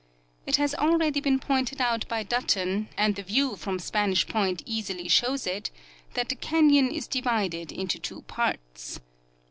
It has already been pointed out by Button, and the view from Spanish point easily shows it, that the canyon is divided into two parts.